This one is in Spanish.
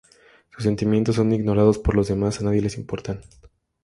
Sus sentimientos son ignorados por los demás, a nadie les importan.